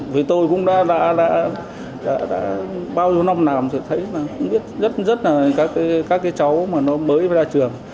với tôi cũng đã bao nhiêu năm nào cũng thấy rất là các cái cháu mà nó mới ra trường